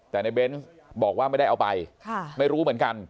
แต่ในเบนส์บอกว่าไม่ได้เอาไปไม่รู้เหมือนกัน